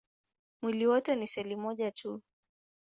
Mwili wote ni seli moja tu.